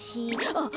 あっ！